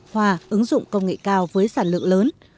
hòa ứng dụng công nghệ cao với sản lượng lớn